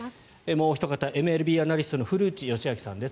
もうおひと方ＭＬＢアナリストの古内義明さんです。